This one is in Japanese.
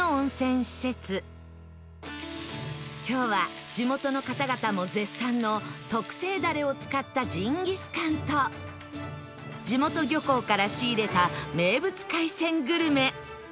今日は地元の方々も絶賛の特製ダレを使ったジンギスカンと地元漁港から仕入れた名物海鮮グルメ